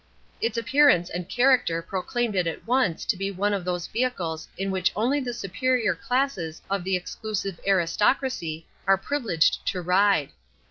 Its appearance and character proclaimed it at once to be one of those vehicles in which only the superior classes of the exclusive aristocracy are privileged to ride.